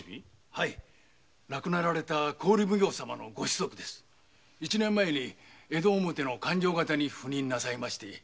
亡くなられた郡奉行様のご子息で一年前に江戸表の勘定方に赴任なさいました。